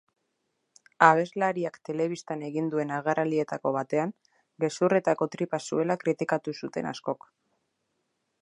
Abeslariak telebistan egin duen agerraldietako batean, gezurretako tripa zuela kritikatu zuten askok.